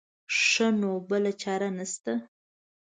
ښه نو بله چاره نه شته.